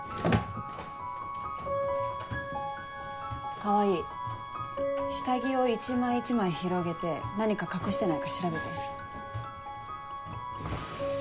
川合下着を一枚一枚広げて何か隠してないか調べて。